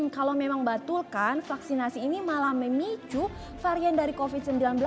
kalau memang batul kan vaksinasi ini malah memicu varian dari covid sembilan belas